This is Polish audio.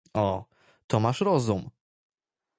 "O, to masz rozum!"